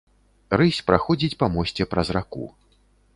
Рысь праходзіць па мосце праз раку.